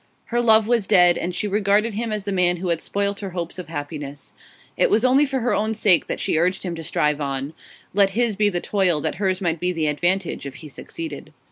Her love was dead, and she regarded him as the man who had spoilt her hopes of happiness. It was only for her own sake that she urged him to strive on; let his be the toil, that hers might be the advantage if he succeeded.